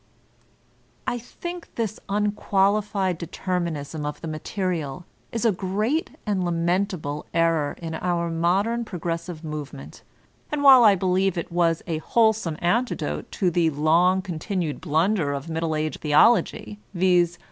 I think this unqualified determinism of the material is a great and lamentable error in our modem progress ive movement; and while I believe it was a wholesome antidote to the long continued blunder of Middle Age theology, viz.